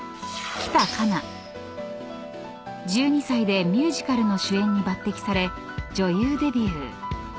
［１２歳でミュージカルの主演に抜てきされ女優デビュー］